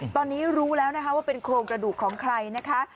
ตอนนี้รู้แล้วนะคะว่าเป็นโครงกระดูกของใครนะคะ